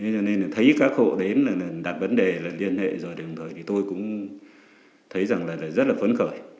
cho nên là thấy các hộ đến là đặt vấn đề là liên hệ rồi đồng thời thì tôi cũng thấy rằng là rất là phấn khởi